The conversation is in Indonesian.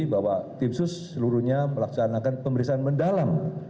bahwa tim sus seluruhnya melaksanakan pemeriksaan mendalam